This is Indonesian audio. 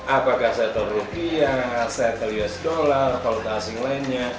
apakah settle rupiah settle us dollar kalau tak asing lainnya